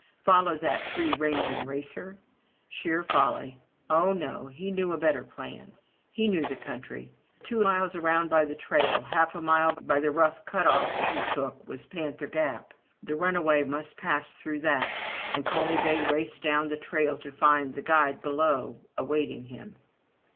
Follow that free ranging racer? Sheer folly. Oh, no! — he knew a better plan. He knew the country. Two miles around by the trail, half a mile by the rough cut off that he took, was Panther Gap. The runaway must pass through that, and Coaly bay raced down the trail to find the guide below awaiting him.